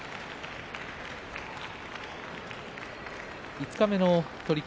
五日目の取組